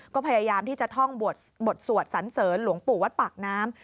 ก็พยายามที่จะท่องบทสวดสันเสริญหลวงปู่วัดปากน้ำ